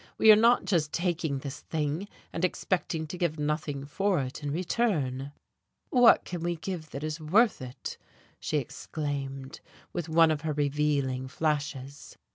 We are not just taking this thing, and expecting to give nothing for it in return." "What can we give that is worth it?" she exclaimed, with one of her revealing flashes.